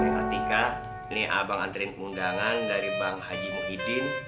nek atika ini abang anterin kemundangan dari bang haji muhyiddin